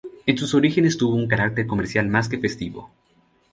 En sus orígenes tuvo un carácter comercial más que festivo.